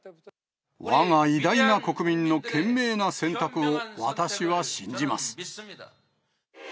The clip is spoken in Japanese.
わが偉大な国民の賢明な選択を私は信じます。